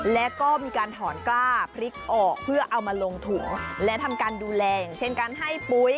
และก็มีการถอนกล้าพริกออกเพื่อเอามาลงถุงและทำการดูแลอย่างเช่นการให้ปุ๋ย